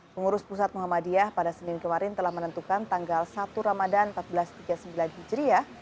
pengurus pusat muhammadiyah pada senin kemarin telah menentukan tanggal satu ramadan seribu empat ratus tiga puluh sembilan hijriah